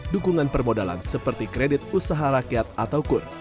dukungan permodalan seperti kredit usaha rakyat atau kur